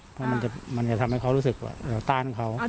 เพราะมันจะทำให้เขารู้สึกว่าเราต้านเขา